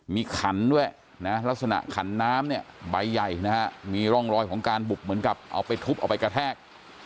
มีขันด้วยนะลักษณะขันน้ำเนี่ยใบใหญ่นะฮะมีร่องรอยของการบุบเหมือนกับเอาไปทุบเอาไปกระแทก